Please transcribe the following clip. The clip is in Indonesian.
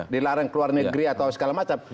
dilarang ke luar negeri atau segala macam